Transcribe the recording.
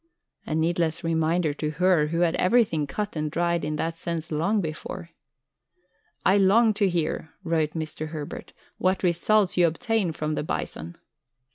A needless reminder to her who had everything cut and dried in that sense long before! "I long to hear," wrote Mr. Herbert, "what results you obtain from the Bison."